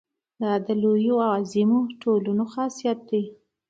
دا د لویو او عظیمو ټولنو خاصیت دی.